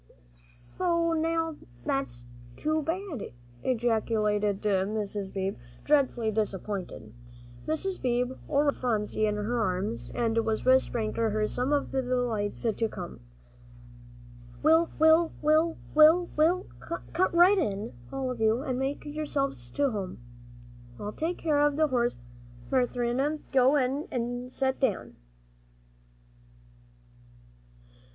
"Sho, now, that's too bad!" ejaculated Mr. Beebe, dreadfully disappointed. Mrs. Beebe already had Phronsie in her arms, and was whispering to her some of the delights to come. "Well, well, well, come right in, all of you, and make yourselves to home. I'll take care of the horse, Marinthy; go in an' set down."